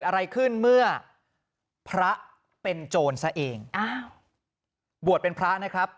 อะไรขึ้นเมื่อพระเป็นโจรซะเองอ้าวบวชเป็นพระนะครับ